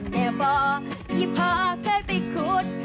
แม่โบกยี่พ่อเคยไปขุด